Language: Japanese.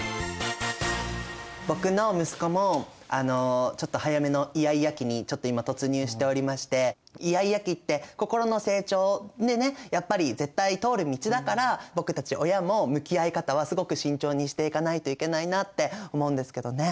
僕の息子もちょっと早めのイヤイヤ期にちょっと今突入しておりましてイヤイヤ期って心の成長でねやっぱり絶対通る道だから僕たち親も向き合い方はすごく慎重にしていかないといけないなって思うんですけどね。